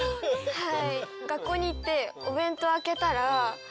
はい。